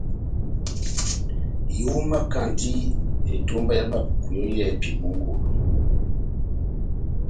Ihomakandi etomba ya Bapuku yɔ́ yɛ́hɛ́pi mongolo.